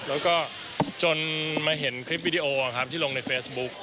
แล้วก็จนมาเห็นคลิปวิดีโอครับที่ลงในเฟซบุ๊ก